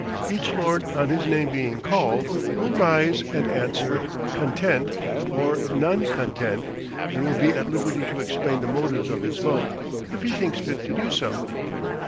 Each Lord, on his name being called, will rise and answer content, or non content, and will be at liberty to explain the motives of his vote, if he thinks fit to do so.